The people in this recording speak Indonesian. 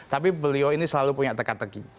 tapi beliau ini selalu punya teka teki